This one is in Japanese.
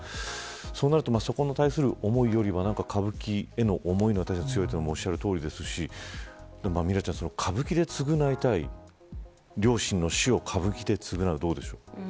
そうなるとそこに対する思いよりは歌舞伎への思いが強いというのもおっしゃるとおりですしミラちゃん、歌舞伎で償いたい両親の死を歌舞伎で償う、どうでしょう。